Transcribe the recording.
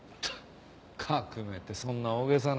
革命ってそんな大げさな。